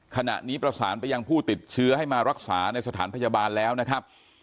ขณะนี้ประสานไปยังผู้ติดเชื้อให้มารักษาในสถานพยาบาลแล้วนะครับ